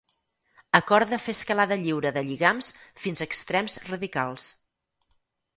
Acorda fer escalada lliure de lligams fins a extrems radicals.